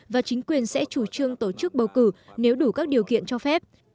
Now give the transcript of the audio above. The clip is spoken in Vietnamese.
và chính quyền sẽ chủ trương tổ chức bầu cử nếu đủ các điều kiện cho phép